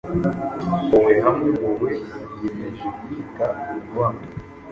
Boe hamwe boe biyemeje kwita kubana